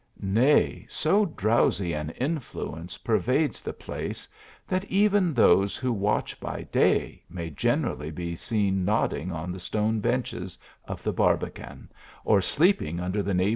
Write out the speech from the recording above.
Nay, so drowsy an influence pervades the place, that even those who watch by day, may generally be seen nodding on the stone benches of the barbican, or sleeping under the neigh 130 THE ALHAMBEA.